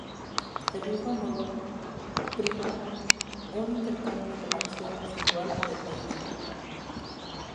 Del mismo modo, primó un intercambio comercial desigual para el país.